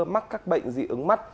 mắc các bệnh dị ứng mắt